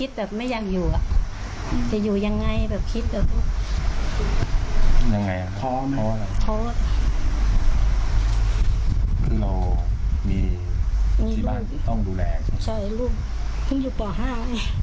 ใช่ลูกต้องอยู่ป่าวห้า